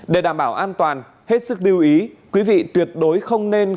để đảm bảo an toàn hết sức lưu ý quý vị tuyệt đối không nên